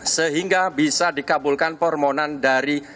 sehingga bisa dikabulkan permohonan dari